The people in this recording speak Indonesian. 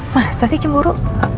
masa sih cemburu